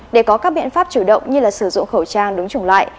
để có các biện pháp chủ động như sử dụng khẩu trang đúng chủng loại